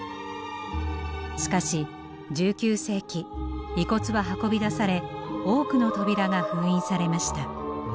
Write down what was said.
しかし１９世紀遺骨は運び出され多くの扉が封印されました。